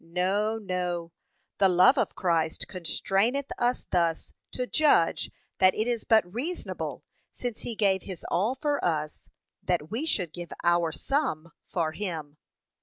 No, no; 'the love of Christ constraineth us' thus to judge that it is but reasonable, since he gave his all for us, that we should give our some for him.